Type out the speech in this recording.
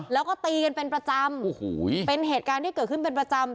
แล้วก็ตีกันเป็นประจำโอ้โหเป็นเหตุการณ์ที่เกิดขึ้นเป็นประจำ